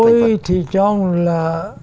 tôi thì cho là